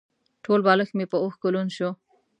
ټول بالښت مې په اوښکو لوند شو.